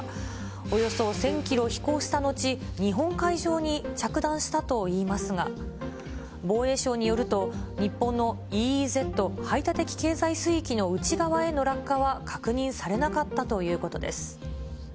およそ１０００キロ飛行した後、日本海上に着弾したといいますが、防衛省によると、日本のＥＥＺ・排他的経済水域の内側への落下は確認されなかったということです。